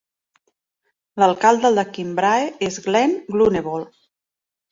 L'alcalde de Kinbrae és Glen Grunewald.